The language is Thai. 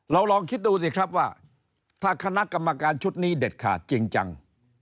ลองคิดดูสิครับว่าถ้าคณะกรรมการชุดนี้เด็ดขาดจริงจัง